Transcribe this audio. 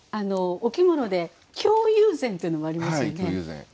お着物で京友禅っていうのもありますよね。